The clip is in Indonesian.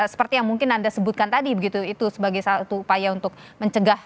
seperti yang mungkin anda sebutkan tadi begitu itu sebagai satu upaya untuk mencegah